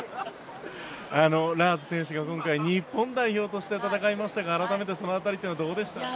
ラーズ選手が今回日本代表として戦いましたが改めてその辺り、どうでしたか。